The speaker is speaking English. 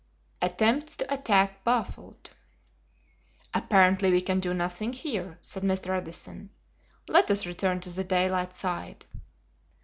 Attempts to Attack Baffled. "Apparently we can do nothing here," said Mr. Edison. "Let us return to the daylight side."